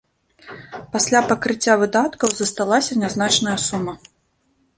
Пасля пакрыцця выдаткаў засталася нязначная сума.